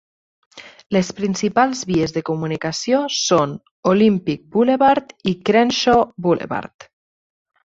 Les principals vies de comunicació són Olympic Boulevard i Crenshaw Boulevard.